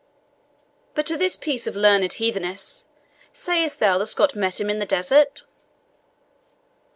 But to this piece of learned heathenesse sayest thou the Scot met him in the desert?"